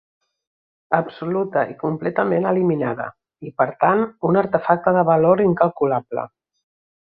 Absoluta i completament eliminada, i per tant un artefacte de valor incalculable.